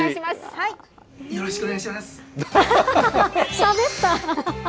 しゃべった。